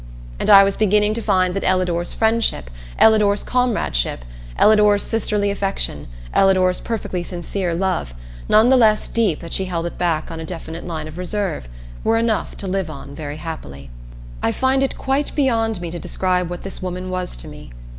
And I was beginning to find that Ellador's friendship, Ellador's comradeship, Ellador's sisterly affection, Ellador's perfectly sincere love none the less deep that she held it back on a definite line of reserve were enough to live on very happily. I find it quite beyond me to describe what this woman was to me.